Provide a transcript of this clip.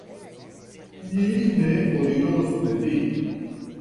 Ni ne foriros de Vi.